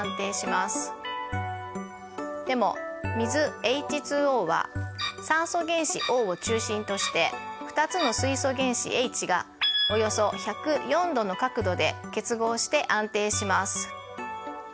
でも水ＨＯは酸素原子Ｏを中心として２つの水素原子Ｈがおよそ１０４度の角度で結合して安定します。